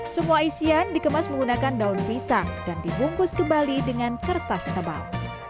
semua isian dikemas menggunakan daun pisang dan dibungkus kembali dengan kertas tebal